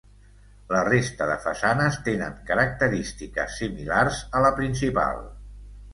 La resta de façanes tenen característiques similars a la principal.